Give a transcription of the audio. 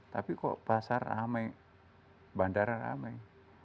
tapi kok pasar ramai bandara ramai